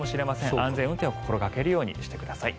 暗転運転を心掛けるようにしてください。